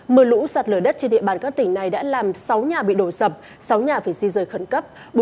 mưa lũ sạt lở đất trên địa bàn các tỉnh này đã làm sáu nhà bị đổ sập sáu nhà phải di rời khẩn cấp